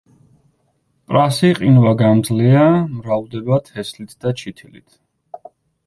პრასი ყინვაგამძლეა, მრავლდება თესლით და ჩითილით.